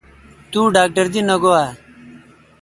توڈاکٹر دی نہ گوا؟